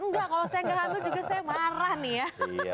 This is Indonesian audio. enggak kalau saya nggak hambat juga saya marah nih ya